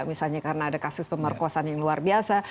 misalnya karena ada kasus pemerkosaan yang luar biasa